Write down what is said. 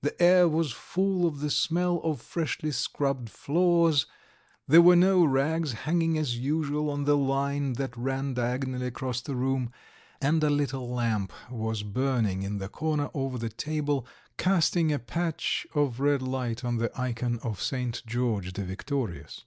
The air was full of the smell of freshly scrubbed floors, there were no rags hanging as usual on the line that ran diagonally across the room, and a little lamp was burning in the corner over the table, casting a patch of red light on the ikon of St. George the Victorious.